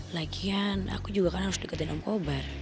lagian aku juga kan harus deketin om kobar